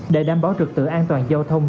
để đảm bảo trực tự an toàn giao thông